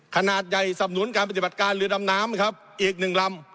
ขนาดใหญ่สำนุนการปฏิบัติการเรือดำน้ำครับอีกหนึ่งลำ